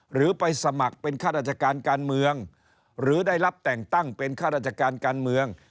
หรือไปสมัครเป็นข้าราชการการเมืองหรือได้รับแต่งตั้งเป็นข้าราชการการเมือง